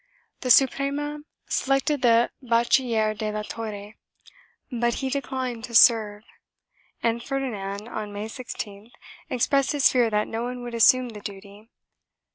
The Suprema selected the Bachiller de la Torre, but he declined to serve and Ferdinand, on May 16th, expressed his fear that no one would assume the duty.